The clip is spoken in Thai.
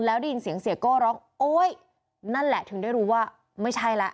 แล้วได้ยินเสียงเสียโก้ร้องโอ๊ยนั่นแหละถึงได้รู้ว่าไม่ใช่แล้ว